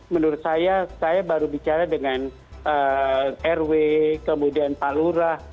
menurut saya saya baru bicara dengan rw kemudian pak lurah